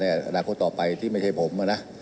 อนาคตต่อไปที่ไม่ใช่ผมนะ